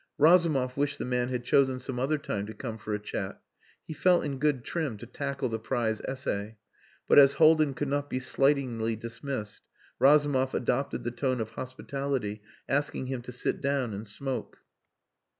Razumov wished the man had chosen some other time to come for a chat. He felt in good trim to tackle the prize essay. But as Haldin could not be slightingly dismissed Razumov adopted the tone of hospitality, asking him to sit down and smoke.